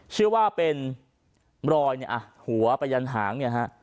เชื่อว่าเป็นร้อยหัวประยันหาง